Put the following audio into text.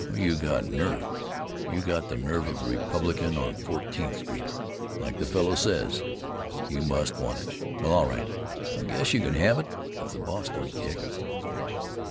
"Well, you got nerve. You got the nerve of a Republican on Fourteenth Street, like the fellow says. You must want it. Well, all right, I guess you can have it if the boss don't kick."